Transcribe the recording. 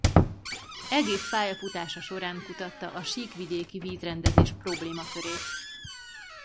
Egész pályafutása során kutatta a síkvidéki vízrendezés problémakörét.